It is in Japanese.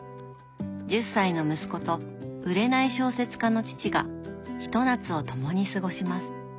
１０歳の息子と売れない小説家の父がひと夏を共に過ごします。